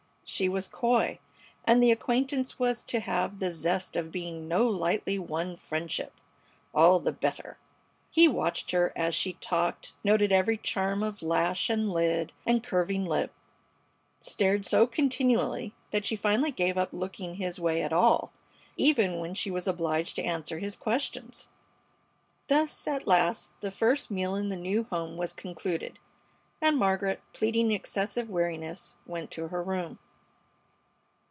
She was coy, and the acquaintance was to have the zest of being no lightly won friendship. All the better. He watched her as she talked, noted every charm of lash and lid and curving lip; stared so continually that she finally gave up looking his way at all, even when she was obliged to answer his questions. Thus, at last, the first meal in the new home was concluded, and Margaret, pleading excessive weariness, went to her room.